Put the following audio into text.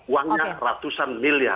uangnya ratusan miliar